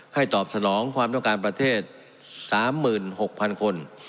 ตอบสนองความต้องการประเทศ๓๖๐๐๐คน